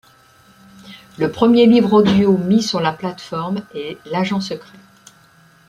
Le premier livre audio mis sur la plateforme est L'Agent secret.